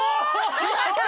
きました！